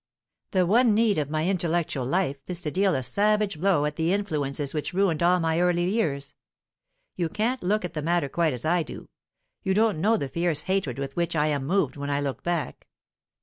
The one need of my intellectual life is to deal a savage blow at the influences which ruined all my early years. You can't look at the matter quite as I do; you don't know the fierce hatred with which I am moved when I look back.